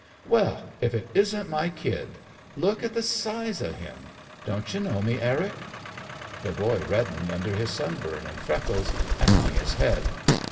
"Well, if it isn't my kid! Look at the size of him! Don't you know me, Eric?" The boy reddened under his sunburn and freckles, and hung his head.